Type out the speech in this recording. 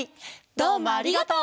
どうもありがとう！